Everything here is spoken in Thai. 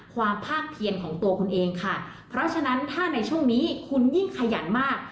ความภาคเพียรของตัวคุณเองค่ะเพราะฉะนั้นถ้าในช่วงนี้คุณยิ่งขยันมาก